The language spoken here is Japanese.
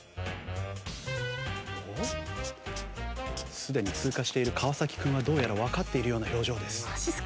すでに通過している川君はどうやらわかっているような表情です。